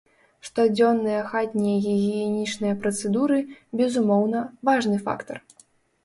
Штодзённыя хатнія гігіенічныя працэдуры, безумоўна, важны фактар.